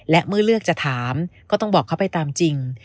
และเมื่อเลือกจะถามก็ต้องบอกเขาไปตามจริง